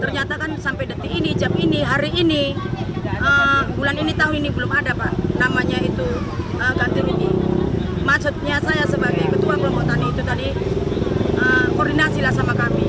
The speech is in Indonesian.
maksudnya saya sebagai ketua kelompok tani itu tadi koordinasilah sama kami